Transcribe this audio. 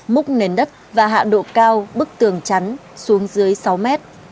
múc nền đất và hạ độ cao bức tường chắn xuống dưới sáu mét